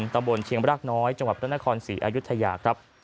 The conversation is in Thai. ตำบลเชียงรากน้อยจังหวัดพระนครศรีอายุทยาครับ